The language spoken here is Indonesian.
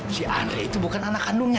si andre itu bukan anak kandungnya